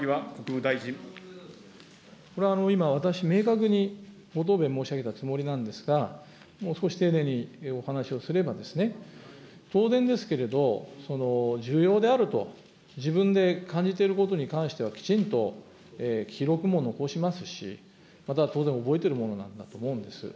これは今、私、明確にご答弁申し上げたつもりなんですが、もう少し丁寧にお話をすれば、当然ですけれど、重要であると自分で感じていることに関しては、きちんと記録も残しますし、また当然覚えているものだと思うんです。